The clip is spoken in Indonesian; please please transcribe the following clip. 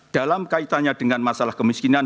dalam kaitannya dengan masalah kemiskinan